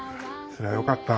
それはよかった。